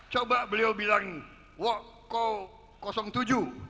coba beliau bilang wo kau tujuh